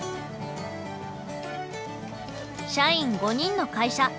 社員５人の会社。